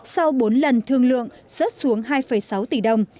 sau bốn lần thương lượng rớt xuống hai sáu tỷ đồng